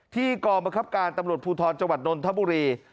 กองบังคับการตำรวจภูทรจังหวัดนนทบุรี